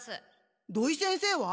土井先生は？